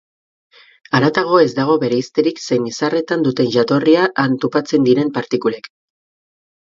Haratago ez dago bereizterik zein izarretan duten jatorria han topatzen diren partikulek.